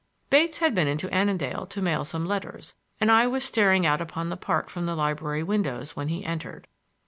Bates had been into Annandale to mail some letters, and I was staring out upon the park from the library windows when he entered.